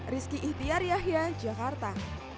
rizky ihtiar yahya jakarta